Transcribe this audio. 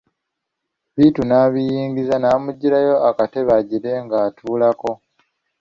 Bittu n'abiyingiza n'amujjirayo akatebe agire ng'atulako.